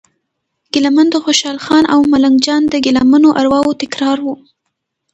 ګیله من د خوشال خان او ملنګ جان د ګیله منو ارواوو تکرار و.